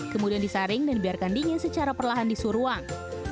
kemudian disaring dan dibiarkan dingin secara perlahan di suhu ruang